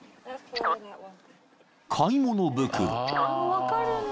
［買い物袋］